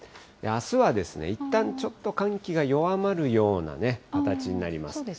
あすは、いったんちょっと寒気が弱まるような形になります。